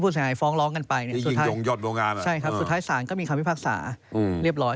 สุดท้ายสารก็มีคำพิพักษะเรียบร้อย